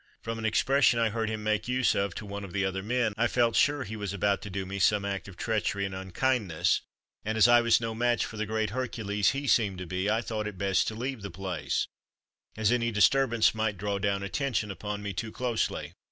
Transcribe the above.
From an expression I heard him make use of to one of the other men I felt sure he was about to do me some act of treachery and unkindness, and, as I was no match for the great Hercules he seemed to be, I thought it best to leave the place, as any disturbance might draw down attention upon me too closely.